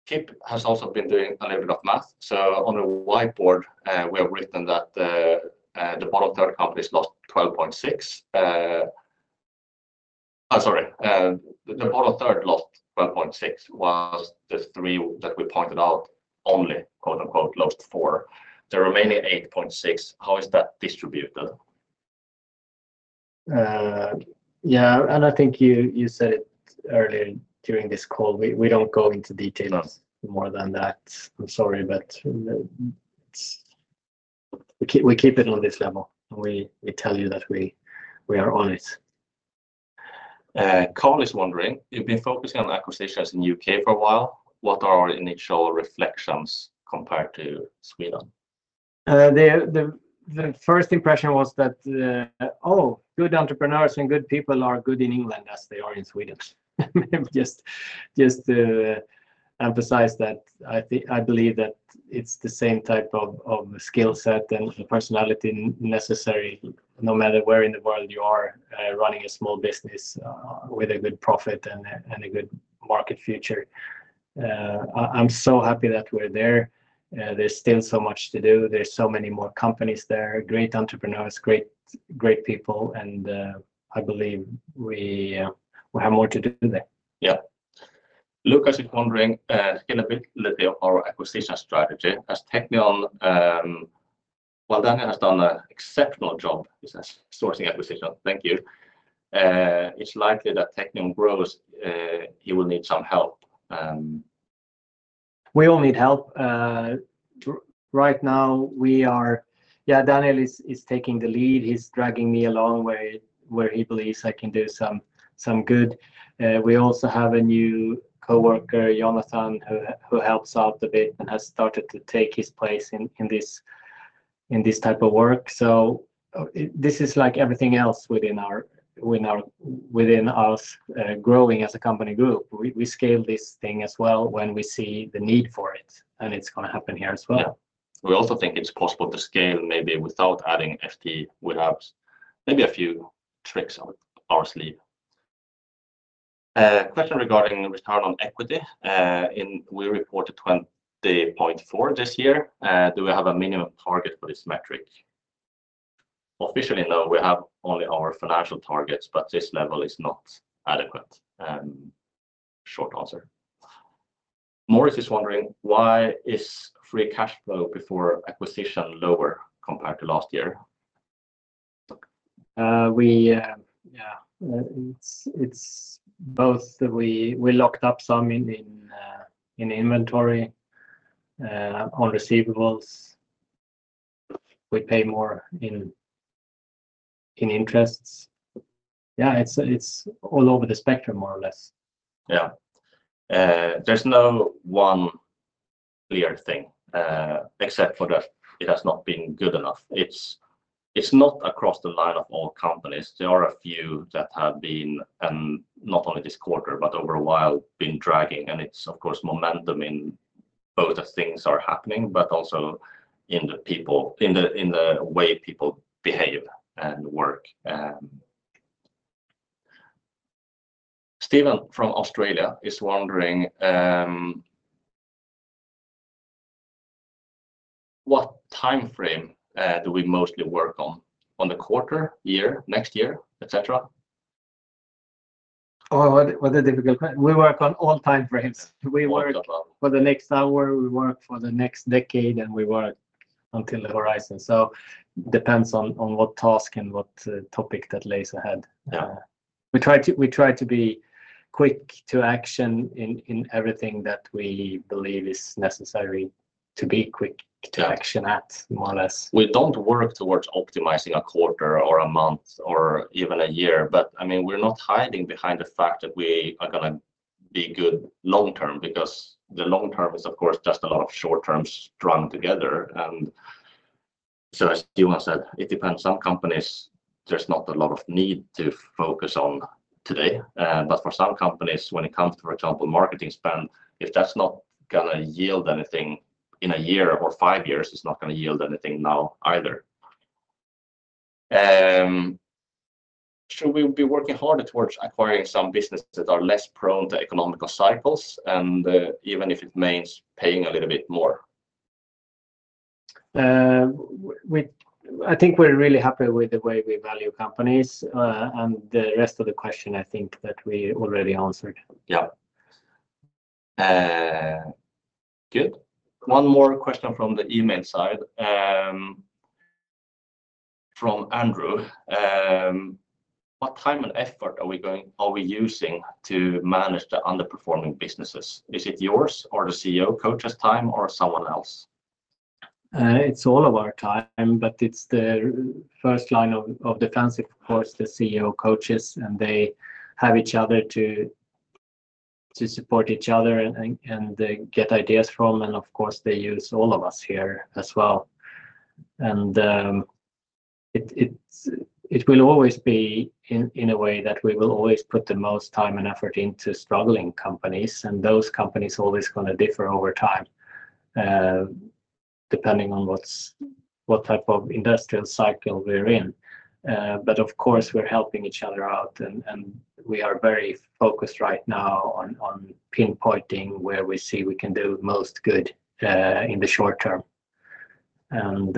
Kip has also been doing a little bit of math. So on a whiteboard, we have written that, the bottom third companies lost 12.6%. Sorry, Yeah... the bottom third lost 12.6%, whilst the three that we pointed out only, quote, unquote, "lost four." The remaining 8.6%, how is that distributed? Yeah, and I think you said it earlier during this call. We don't go into details- No... more than that. I'm sorry, but it's, we keep it on this level, and we tell you that we are on it. Carl is wondering, "You've been focusing on acquisitions in U.K. for a while. What are our initial reflections compared to Sweden? The first impression was that good entrepreneurs and good people are good in England, as they are in Sweden. Just to emphasize that, I believe that it's the same type of skill set and personality necessary, no matter where in the world you are, running a small business with a good profit and a good market future. I'm so happy that we're there. There's still so much to do. There's so many more companies there, great entrepreneurs, great people, and I believe we have more to do there. Yeah. Lucas is wondering, a little bit of our acquisition strategy. As Teqnion, well, Daniel has done an exceptional job business sourcing acquisition. Thank you. It's likely that Teqnion grows, he will need some help. We all need help. Right now we are. Yeah, Daniel is taking the lead. He's dragging me along where he believes I can do some good. We also have a new coworker, Jonathan, who helps out a bit and has started to take his place in this type of work. So, this is like everything else within us growing as a company group. We scale this thing as well when we see the need for it, and it's gonna happen here as well. Yeah. We also think it's possible to scale maybe without adding FTE. We have maybe a few tricks up our sleeve. Question regarding return on equity. We reported 20.4% this year. Do we have a minimum target for this metric? Officially, no, we have only our financial targets, but this level is not adequate. Short answer. Morris is wondering, "Why is free cash flow before acquisition lower compared to last year? We, yeah, it's both. We locked up some in inventory on receivables. We pay more in interests. Yeah, it's all over the spectrum, more or less. Yeah. There's no one clear thing, except for that it has not been good enough. It's, it's not across the line of all companies. There are a few that have been, not only this quarter, but over a while, been dragging. And it's, of course, momentum in both the things are happening, but also in the people, in the, in the way people behave and work. Steven from Australia is wondering, What timeframe do we mostly work on? On the quarter, year, next year, et cetera? Oh, what a difficult question. We work on all timeframes. Well- We work for the next hour, we work for the next decade, and we work until the horizon. So depends on what task and what topic that lays ahead. Yeah. We try to be quick to action in everything that we believe is necessary to be quick- Yeah... to action at, more or less. We don't work towards optimizing a quarter or a month or even a year, but, I mean, we're not hiding behind the fact that we are gonna be good long-term, because the long term is, of course, just a lot of short terms strung together, so as Johan said, it depends. Some companies, there's not a lot of need to focus on today. But for some companies, when it comes to, for example, marketing spend, if that's not gonna yield anything in a year or five years, it's not gonna yield anything now either. Should we be working harder towards acquiring some businesses that are less prone to economic cycles, and even if it means paying a little bit more? We, I think, we're really happy with the way we value companies, and the rest of the question I think that we already answered. Yeah. Good. One more question from the email side, from Andrew. What time and effort are we using to manage the underperforming businesses? Is it yours or the CEO coach's time or someone else? It's all of our time, but it's the first line of defense, of course, the CEO coaches, and they have each other to support each other and they get ideas from, and of course, they use all of us here as well, and it will always be in a way that we will always put the most time and effort into struggling companies, and those companies are always gonna differ over time, depending on what type of industrial cycle we're in, but of course, we're helping each other out, and we are very focused right now on pinpointing where we see we can do most good in the short term, and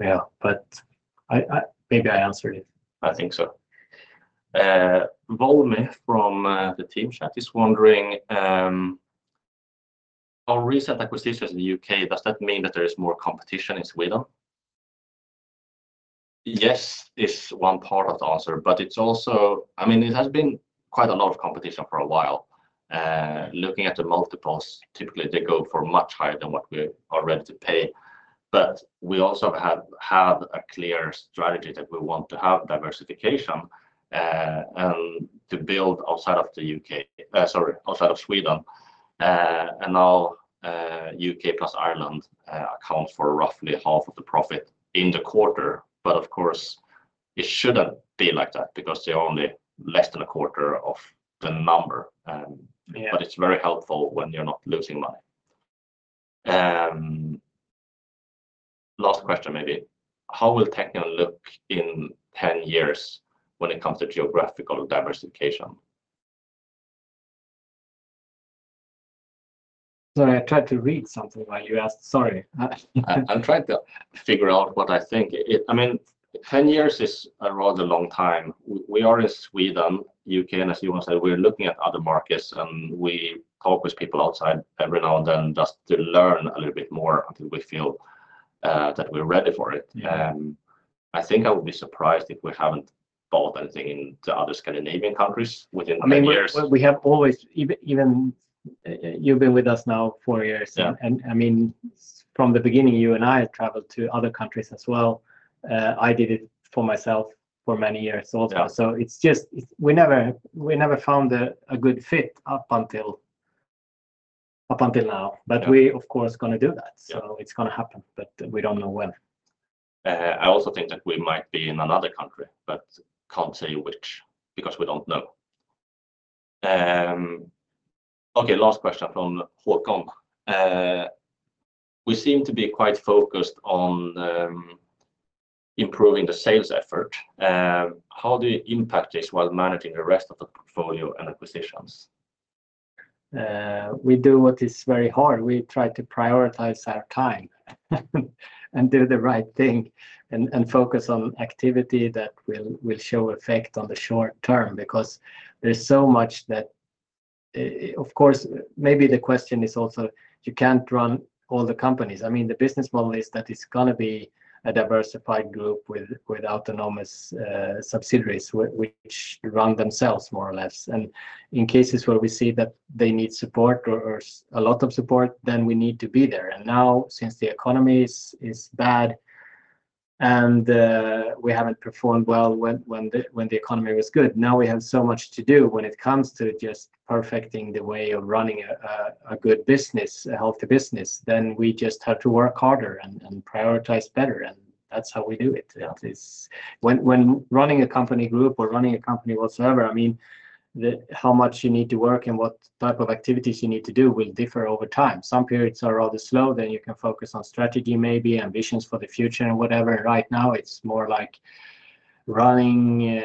yeah, but I... Maybe I answered it. I think so. Volmi from the Teams chat is wondering, "Our recent acquisitions in the U.K., does that mean that there is more competition in Sweden?" Yes, is one part of the answer, but it's also... I mean, it has been quite a lot of competition for a while. Looking at the multiples, typically they go for much higher than what we are ready to pay. But we also have had a clear strategy that we want to have diversification, and to build outside of the U.K., sorry, outside of Sweden. And now, U.K. plus Ireland accounts for roughly half of the profit in the quarter. But of course, it shouldn't be like that, because they're only less than a quarter of the number. Yeah... but it's very helpful when you're not losing money. Last question, maybe: "How will Teqnion look in 10 years when it comes to geographical diversification? Sorry, I tried to read something while you asked. Sorry. I'm trying to figure out what I think. I mean, 10 years is a rather long time. We are in Sweden, U.K., and as you want to say, we're looking at other markets, and we talk with people outside every now and then just to learn a little bit more until we feel that we're ready for it. Yeah. I think I would be surprised if we haven't bought anything in the other Scandinavian countries within 10 years. I mean, we have always, even, you've been with us now four years. Yeah. I mean, from the beginning, you and I have traveled to other countries as well. I did it for myself for many years also. Yeah. So it's just, we never found a good fit up until now. Yeah. But we, of course, gonna do that. Yeah. So it's gonna happen, but we don't know when. I also think that we might be in another country, but can't tell you which, because we don't know. Okay, last question from Håkan. "We seem to be quite focused on improving the sales effort. How do you impact this while managing the rest of the portfolio and acquisitions? We do what is very hard. We try to prioritize our time and do the right thing, and focus on activity that will show effect on the short term, because there's so much that... Of course, maybe the question is also, you can't run all the companies. I mean, the business model is that it's gonna be a diversified group with autonomous subsidiaries, which run themselves more or less, and in cases where we see that they need support or a lot of support, then we need to be there, and now, since the economy is bad, and we haven't performed well when the economy was good, now we have so much to do when it comes to just perfecting the way of running a good business, a healthy business. Then we just have to work harder and prioritize better, and that's how we do it. Yeah. When running a company group or running a company whatsoever, I mean, how much you need to work and what type of activities you need to do will differ over time. Some periods are rather slow, then you can focus on strategy, maybe ambitions for the future and whatever. Right now, it's more like running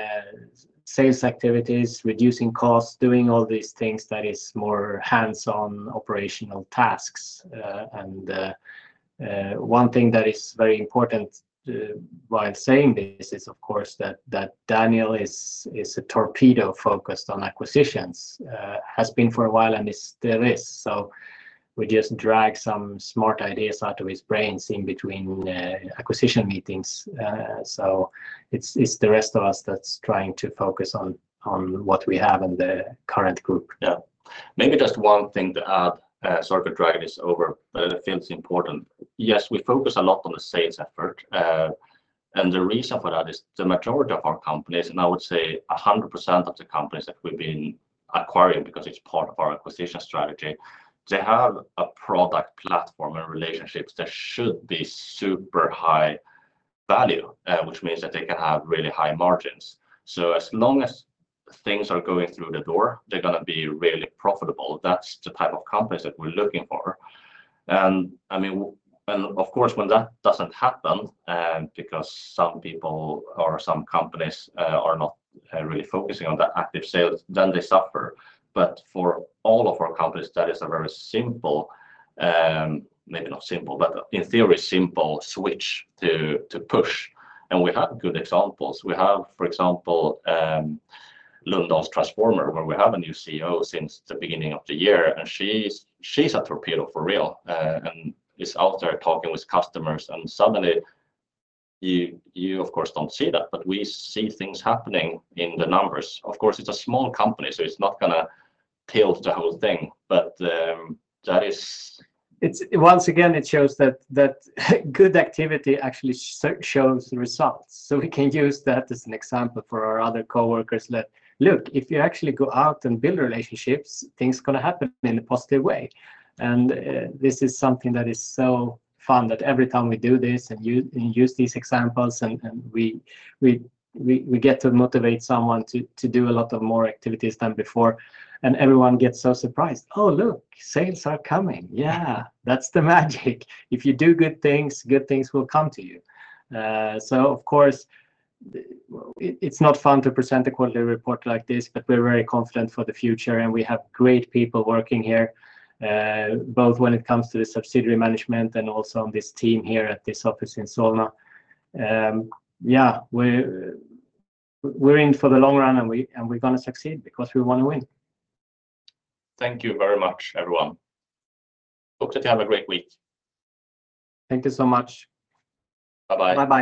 sales activities, reducing costs, doing all these things that is more hands-on operational tasks. One thing that is very important while saying this is, of course, that Daniel is a torpedo focused on acquisitions, has been for a while, and still is. So we just drag some smart ideas out of his brains in between acquisition meetings. So it's the rest of us that's trying to focus on what we have in the current group. Yeah. Maybe just one thing to add, sort of drive this home, feels important. Yes, we focus a lot on the sales effort. And the reason for that is the majority of our companies, and I would say 100% of the companies that we've been acquiring, because it's part of our acquisition strategy, they have a product platform and relationships that should be super high value, which means that they can have really high margins. So as long as things are going through the door, they're gonna be really profitable. That's the type of companies that we're looking for. And, I mean, and of course, when that doesn't happen, because some people or some companies are not really focusing on the active sales, then they suffer. But for all of our companies, that is a very simple, maybe not simple, but in theory, simple switch to push, and we have good examples. We have, for example, Lundahl Transformers, where we have a new CEO since the beginning of the year, and she's a torpedo for real, and is out there talking with customers, and suddenly, you of course don't see that, but we see things happening in the numbers. Of course, it's a small company, so it's not gonna tilt the whole thing, but that is- It's once again, it shows that good activity actually shows the results. So we can use that as an example for our other coworkers that, look, if you actually go out and build relationships, things are gonna happen in a positive way. And this is something that is so fun, that every time we do this and use these examples, and we get to motivate someone to do a lot of more activities than before, and everyone gets so surprised, "Oh, look, sales are coming." Yeah, that's the magic. If you do good things, good things will come to you. So of course, it's not fun to present a quarterly report like this, but we're very confident for the future, and we have great people working here, both when it comes to the subsidiary management and also on this team here at this office in Solna. Yeah, we're in for the long run, and we're gonna succeed because we wanna win. Thank you very much, everyone. Hope that you have a great week. Thank you so much. Bye-bye. Bye-bye.